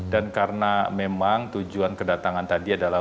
dan karena memang tujuan kedatangan tadi adalah